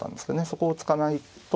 そこを突かないと。